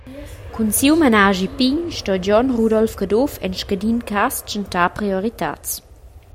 Cun siu menaschi pign sto Gion Rudolf Caduff en scadin cass tschentar prioritads.